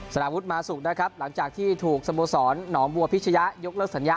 สารวุฒิมาสุกนะครับหลังจากที่ถูกสโมสรหนองบัวพิชยะยกเลิกสัญญา